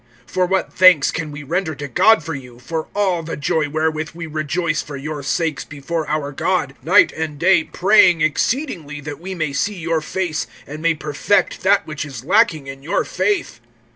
(9)For what thanks can we render to God for you, for all the joy wherewith we rejoice for your sakes before our God; (10)night and day praying exceedingly that we may see your face, and may perfect that which is lacking in your faith?